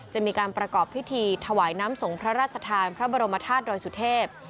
จะมีการประกอบพิธีถวายน้ำสงฆ์พระราชทานพระบรมธาตุดอยสุเทพ